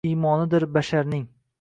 Imonidir basharning.